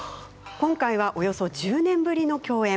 今回は、約１０年ぶりの共演。